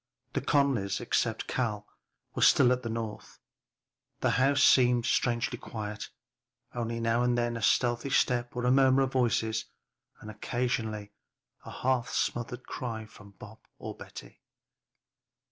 The Conlys, except Cal, were still at the North; the house seemed strangely quiet, only now and then a stealthy step or a murmur of voices and occasionally a half smothered cry from Bob or Betty.